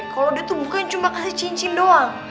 kalau dia tuh bukan cuma kasih cincin doang